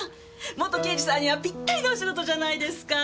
元刑事さんにはピッタリのお仕事じゃないですか。